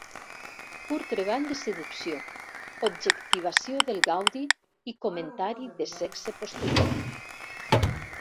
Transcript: Pur treball de seducció, objectivació del gaudi i comentari de sexe posterior.